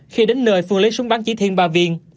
khi đến nơi phương lấy súng bắn chỉ thiên ba viên